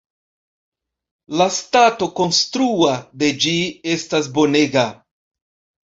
La stato konstrua de ĝi estas bonega.